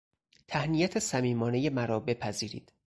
تهنیت صمیمانهی مرا بپذیرید.